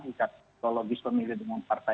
ikat psikologis pemilih dengan partai